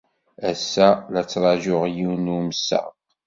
Ass-a, la ttṛajuɣ yiwen n umsaɣ.